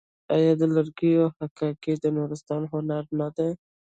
آیا د لرګیو حکاکي د نورستان هنر نه دی؟